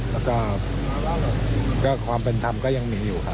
และก็ความเป็นทำก็ยังอยู่ค่ะ